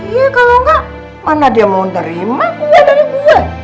iya kalau enggak mana dia mau nerima dia dari gula